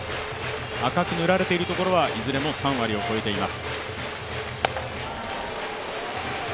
赤く塗られているところはいずれも３割を超えています。